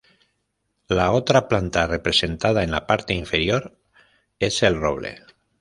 La otra planta representada en la parte inferior es el roble.